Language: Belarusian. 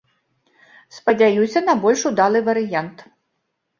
Спадзяюся на больш удалы варыянт.